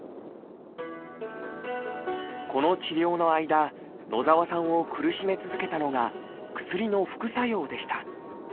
この治療の間野澤さんを苦しめ続けたのが薬の副作用でした。